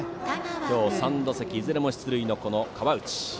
今日、３打席いずれも出塁の河内。